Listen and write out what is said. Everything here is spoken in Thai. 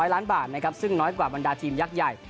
ล้านบาทนะครับซึ่งน้อยกว่าบรรดาทีมยักษ์ใหญ่